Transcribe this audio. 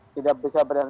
tidak bisa berantai